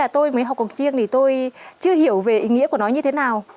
tôi mới học cuộc chiêng thì tôi chưa hiểu về ý nghĩa của nó như thế nào